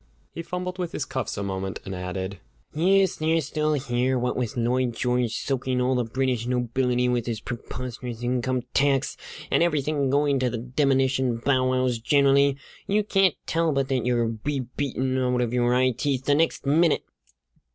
He fumbled with his cuffs a moment, and added: "Yes, they're still here. What with Lloyd George soaking all the British nobility with his preposterous income tax, and everything going to the demnition bow wows generally, you can't tell but that you'll be beaten out of your eye teeth the next minute!"